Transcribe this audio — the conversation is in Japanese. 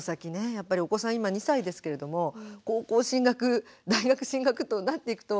やっぱりお子さん今２歳ですけれども高校進学大学進学となっていくと１５年ぐらい。